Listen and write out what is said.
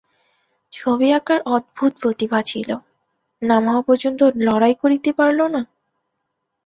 ছবি আঁকার অদ্ভুত প্রতিভা ছিল, নাম হওয়া পর্যন্ত লড়াই করিতে পারল না।